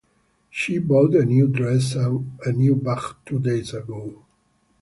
She bought a new dress and a new bag two days ago.